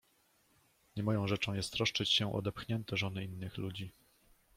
— Nie moją rzeczą jest troszczyć się o odepchnięte żony innych ludzi.